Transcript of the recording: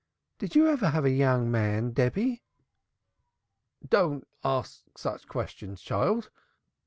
Did you ever have a young man, Debby?" "Don't don't ask such questions, child!"